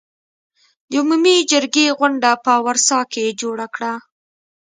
د عمومي جرګې غونډه په ورسا کې جوړه کړه.